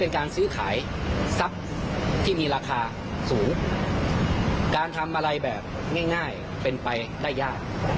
การทำอะไรแบบง่ายเป็นไปได้ยาก